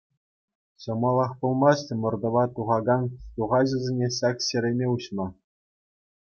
Ҫӑмӑлах пулмасть ӑмӑртӑва тухакан сухаҫӑсене ҫак ҫереме уҫма.